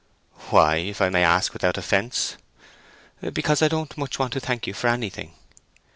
"Why? if I may ask without offence." "Because I don't much want to thank you for anything."